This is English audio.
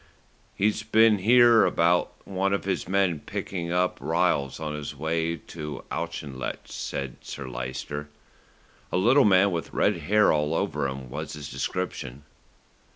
"He's been here about one of his men picking up Ryles on his way to Auchinlech," said Sir Lyster. "A little man with red hair all over him was his description."